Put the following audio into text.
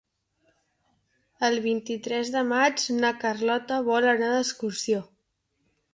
El vint-i-tres de maig na Carlota vol anar d'excursió.